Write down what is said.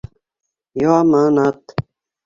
Яманат